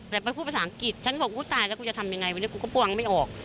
แต่ไปพูดภาษาอังกฤษฉันบอกกูตายแล้วกูจะทำยังไงวันนี้กูก็ปวงไม่ออก